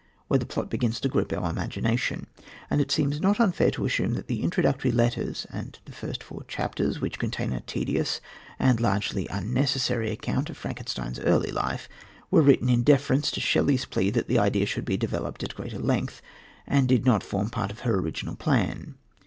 where the plot begins to grip our imagination; and it seems not unfair to assume that the introductory letters and the first four chapters, which contain a tedious and largely unnecessary account of Frankenstein's early life, were written in deference to Shelley's plea that the idea should be developed at greater length, and did not form part of her original plan.